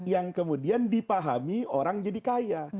yang kemudian dipahami orang jadi kaya